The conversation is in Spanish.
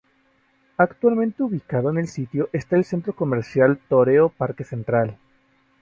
Actualmente ubicado en el sitio está el centro comercial Toreo Parque Central.